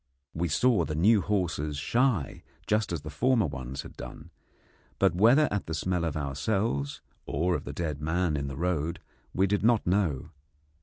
We saw the new horses shy just as the former ones had done, but whether at the smell of ourselves or of the dead man in the road we did not know.